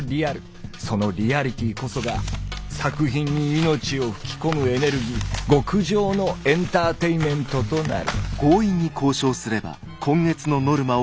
その「リアリティ」こそが作品に命を吹き込むエネルギー極上のエンターテインメントとなる。